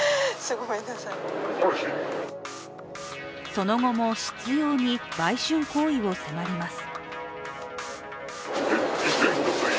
その後も執ように売春行為を迫ります。